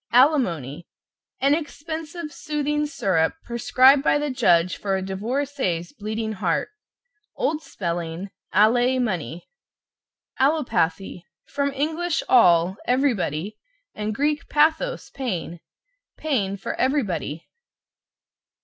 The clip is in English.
=ALIMONY= An expensive soothing syrup, prescribed by the judge for a divorcee's bleeding heart. (Old spelling, allay money). =ALLOPATHY= From Eng. all, everybody, and Grk. pathos, pain. Pain for everybody.